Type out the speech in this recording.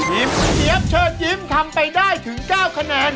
พี่เจี๊ยบเชิญยิ้มทำไปได้ถึง๙คะแนน